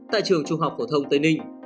tại trường trung học phổ thông tây ninh